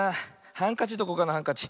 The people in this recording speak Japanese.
ハンカチどこかなハンカチ。